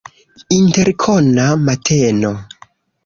Interkona mateno.